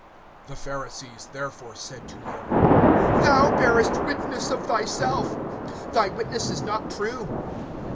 (13)The Pharisees therefore said to him: Thou bearest witness of thyself; thy witness is not true.